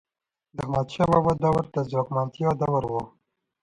د احمدشاه بابا دور د ځواکمنتیا دور و.